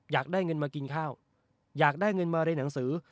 อยากได้เงินมากินข้าวอยากได้เงินมาเรียนหนังสือ